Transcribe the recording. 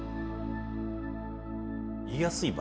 言いやすい場。